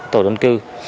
tổ đơn cư